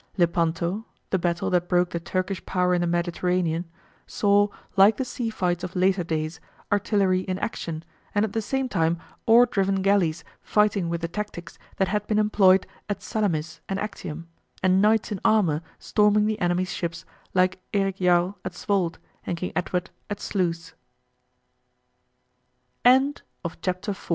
Lepanto the battle that broke the Turkish power in the Mediterranean saw, like the sea fights of later days, artillery in action, and at the same time oar driven galleys fighting with the tactics that had been employed at Salamis and Actium, and knights in armour storming the enemy's ships like Erik Jarl at Svold and King Edward at Sluys. [Illustration: A GALLEY _From an engraving b